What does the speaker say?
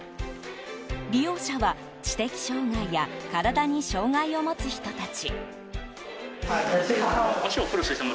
利用者は、知的障害や体に障害を持つ人たち。